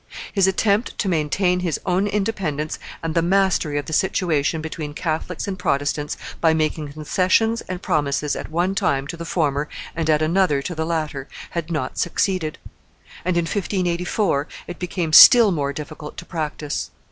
His attempt to maintain his own independence and the mastery of the situation between Catholics and Protestants, by making concessions and promises at one time to the former and at another to the latter, had not succeeded; and in 1584 it became still more difficult to practise.